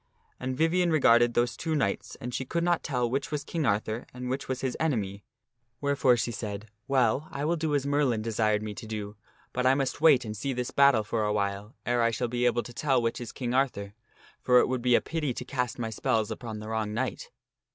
And Vivien regarded those two knights and she could not tell which was King Arthur and which was his enemy, wherefore sh* said, " Well, I will do as Merlin OF THE BATTLE OF ARTHUR AND ACCALON 195 desired me to do, but I must wait and see this battle for a while ere I shall be able to tell which is King Arthur, for it would be a pity to cast my spells upon the wrong knight."